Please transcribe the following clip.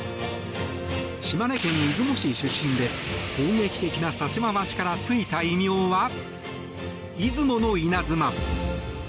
島根県出雲市出身で攻撃的な差し回しからついた異名は、出雲のイナズマ。